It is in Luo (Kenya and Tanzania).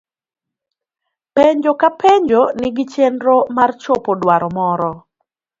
Penjo ka penjo nigi chenro mar chopo dwaro moro.